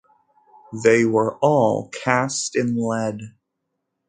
They were all cast in lead.